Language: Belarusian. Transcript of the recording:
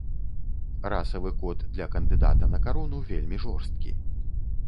Расавы код для кандыдата на карону вельмі жорсткі.